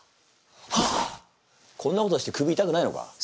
こんなことして首いたくないのか？